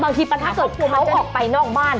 บางทีถ้าเกิดเขาออกไปนอกบ้าน